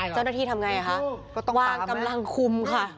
เจ้าหน้าที่ทำไงคะวางกำลังคุมค่ะ